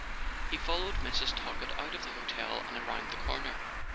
He followed Mrs. Talkett out of the hotel and around the corner.